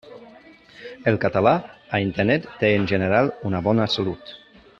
El català a Internet té en general una bona salut.